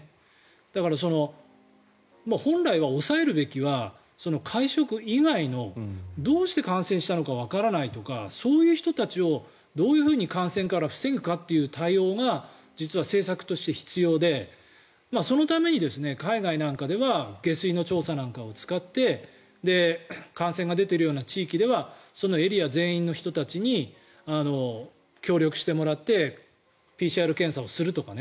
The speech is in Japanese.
だから、本来は抑えるべきは会食以外のどうして感染したのかわからないとかそういう人たちをどういうふうに感染から防ぐかという対応が実は政策として必要でそのために海外なんかでは下水の調査なんかを使って感染が出ているような地域ではエリア全体の人たちに協力してもらってＰＣＲ検査をするとかね。